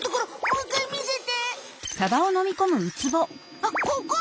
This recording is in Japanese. あっここ！